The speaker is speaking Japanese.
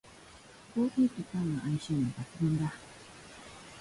コーヒーとパンの相性も抜群だ